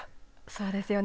そうですよね。